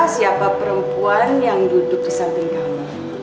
siapa perempuan yang duduk di samping kami